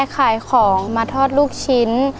ขายของมาทอดลูกชิ้น